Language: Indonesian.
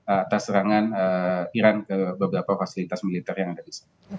atas serangan iran ke beberapa fasilitas militer yang ada di sana